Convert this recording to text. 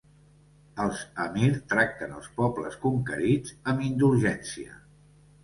Els "amir" tracten els pobles conquerits amb indulgència.